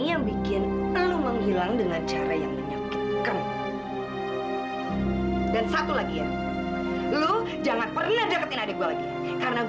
aku harus pergi sekarang